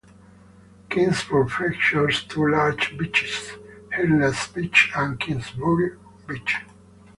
Kingsburg features two large beaches, Hirtle's Beach and Kingsburg Beach.